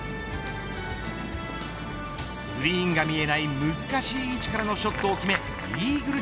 グリーンが見えない難しい位置からのショットを決めイーグル